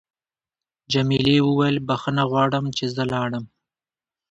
جميلې وويل: بخښنه غواړم چې زه لاړم.